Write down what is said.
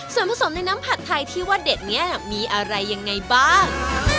ส่วนผสมในน้ำผัดไทยที่ว่าเด็ดนี้มีอะไรยังไงบ้าง